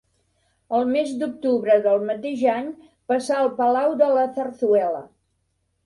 El mes d'octubre del mateix any, passà al palau de la Zarzuela.